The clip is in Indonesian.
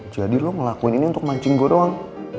jadi lo ngelakuin ini untuk mancing gue doang